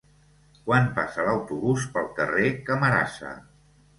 Quan passa l'autobús pel carrer Camarasa?